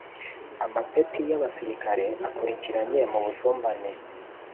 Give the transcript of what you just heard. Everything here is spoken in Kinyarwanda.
Amapeti y abasirikare akurikiranye mu busumbane